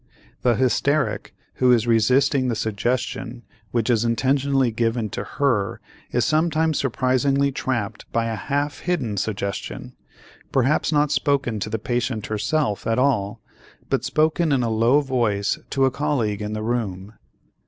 The hysteric who is resisting the suggestion which is intentionally given to her is sometimes surprisingly trapped by a half hidden suggestion, perhaps not spoken to the patient herself at all but spoken in a low voice to a colleague in the room.